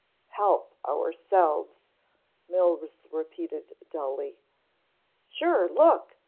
"Help ourselves " Mills repeated dully. "Sure, look!"